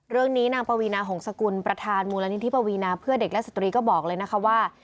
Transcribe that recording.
นางปวีนาหงษกุลประธานมูลนิธิปวีนาเพื่อเด็กและสตรีก็บอกเลยนะคะว่า